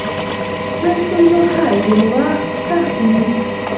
د ستونزو حل ځینې وخت سخت وي.